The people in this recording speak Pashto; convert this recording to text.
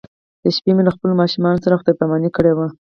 د شپې مې له خپلو ماشومانو سره خدای پاماني کړې وه.